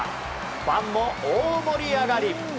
ファンも大盛り上がり。